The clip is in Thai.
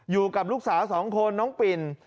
อยู่กับลูกสาวสองคนน้องปิ่น